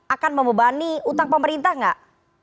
akan membebani utang pemerintah nggak